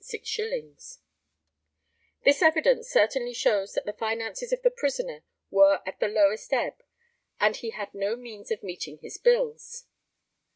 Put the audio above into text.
] This evidence certainly shows that the finances of the prisoner were at the lowest ebb, and he had no means of meeting his bills.